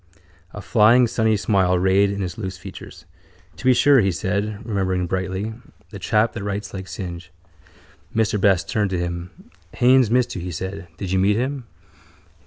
A flying sunny smile rayed in his loose features. —To be sure, he said, remembering brightly. The chap that writes like Synge. Mr Best turned to him. —Haines missed you, he said. Did you meet him?